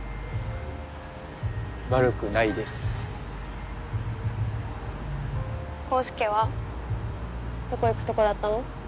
悪くないです康祐はどこ行くとこだったの？